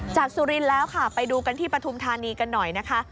สุรินทร์แล้วค่ะไปดูกันที่ปฐุมธานีกันหน่อยนะคะ